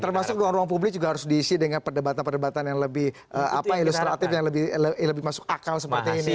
termasuk ruang ruang publik juga harus diisi dengan perdebatan perdebatan yang lebih ilustratif yang lebih masuk akal seperti ini